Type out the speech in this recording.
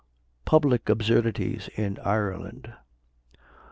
PUBLIC ABSURDITIES IN IRELAND.